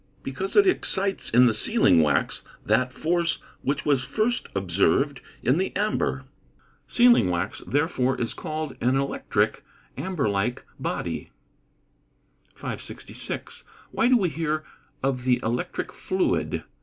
_ Because it excites in the sealing wax that force which was first observed in the amber. Sealing wax, therefore, is called an electric (amber like) body. 566. _Why do we hear of the electric fluid?